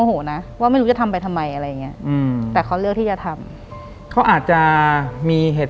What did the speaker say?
หลังจากนั้นเราไม่ได้คุยกันนะคะเดินเข้าบ้านอืม